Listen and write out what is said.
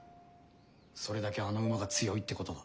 それだけあの馬が強いってことだ。